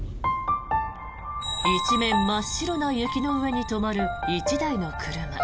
一面、真っ白な雪の上に止まる１台の車。